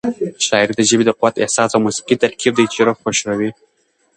شاعري د ژبې د قوت، احساس او موسيقۍ ترکیب دی چې روح خوښوي.